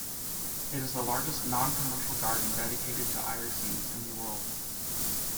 It is the largest non-commercial garden dedicated to irises in the world.